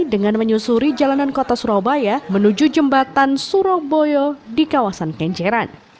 dengan menyusuri jalanan kota surabaya menuju jembatan surabaya di kawasan kenjeran